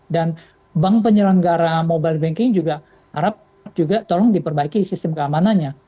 dan bank penyelenggara mobile banking juga harap juga tolong diperbaiki sistem keamanannya